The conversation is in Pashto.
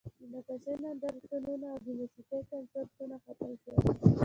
د نقاشۍ نندارتونونه او د موسیقۍ کنسرتونه ختم شول